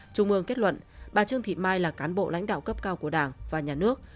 trung ương kết luận bà trương thị mai là cán bộ lãnh đạo cấp cao của đảng và nhà nước